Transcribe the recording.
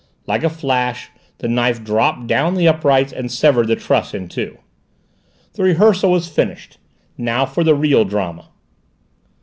Like a flash the knife dropped down the uprights and severed the truss in two. The rehearsal was finished. Now for the real drama!